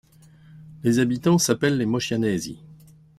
Les habitants s'appellent les Moscianesi.